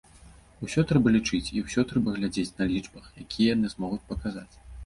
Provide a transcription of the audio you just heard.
Усё трэба лічыць і ўсё трэба глядзець на лічбах, якія яны змогуць паказаць.